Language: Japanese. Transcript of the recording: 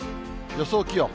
予想気温。